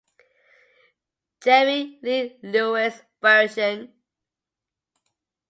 Jerry Lee Lewis version